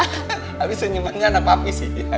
tapi senyumannya anak papi sih